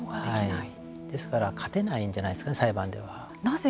ですから勝てないんじゃないですかなぜ